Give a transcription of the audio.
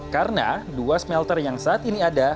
karena dua smelter yang saat ini ada